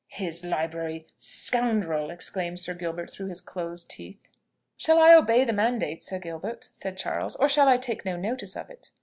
"His library! Scoundrel!" exclaimed Sir Gilbert through his closed teeth. "Shall I obey the mandate, Sir Gilbert?" said Charles. "Or shall I take no notice of it?"